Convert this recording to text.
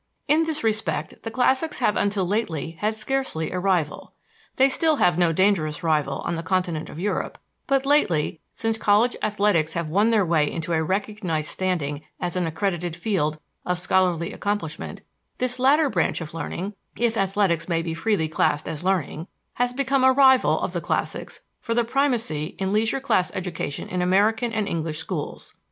In this respect the classics have until lately had scarcely a rival. They still have no dangerous rival on the continent of Europe, but lately, since college athletics have won their way into a recognized standing as an accredited field of scholarly accomplishment, this latter branch of learning if athletics may be freely classed as learning has become a rival of the classics for the primacy in leisure class education in American and English schools.